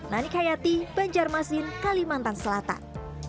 nani kayati banjarmasin kalimantan selatan